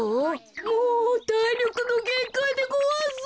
もうたいりょくのげんかいでごわす。